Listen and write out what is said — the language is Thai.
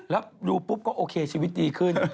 แล้วดูปุ๊บก็โอเคชีวิตดีขึ้น